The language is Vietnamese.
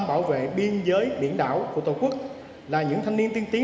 bảo vệ biên giới biển đảo của tổ quốc là những thanh niên tiên tiến